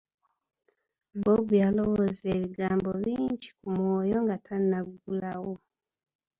Bob yalowooza ebigambo bingi ku mwoyo nga tannaggulawo.